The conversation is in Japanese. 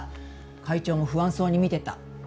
会長も不安そうに見てた。